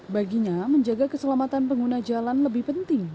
baginya menjaga keselamatan pengguna jalan lebih penting